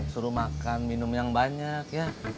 suruh makan minum yang banyak ya